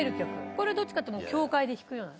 これどっちかっていうと教会で聴くような